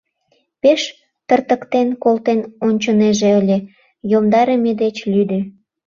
Пеш тыртыктен колтен ончынеже ыле, йомдарыме деч лӱдӧ.